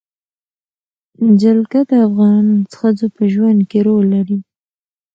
جلګه د افغان ښځو په ژوند کې رول لري.